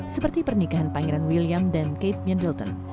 seperti pernikahan pangeran william dan kate middleton